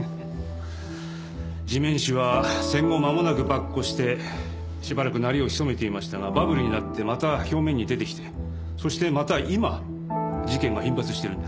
地面師は戦後まもなく跋扈してしばらく鳴りを潜めていましたがバブルになってまた表面に出てきてそしてまた今事件が頻発しているんです。